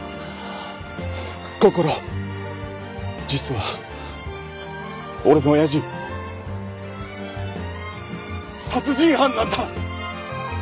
こころ実は俺の親父殺人犯なんだ！